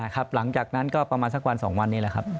หลังจากนั้นก็ประมาณสักวัน๒วันนี้แหละครับ